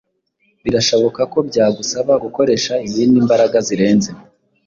birashoboka ko byagusaba gukoresha izindi mbaraga zirenze,